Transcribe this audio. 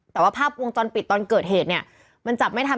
แต่ว่าภาพวงจรปิดตอนเกิดเหตุเนี่ยมันจับไม่ทัน